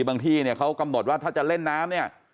ที่เนี่ยเขากำหนดว่าถ้าจะเล่นน้ำเนี่ย